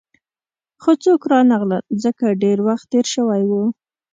خو څوک رانغلل، ځکه ډېر وخت تېر شوی وو.